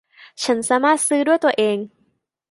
ฉันสามารถซื้อด้วยตัวเอง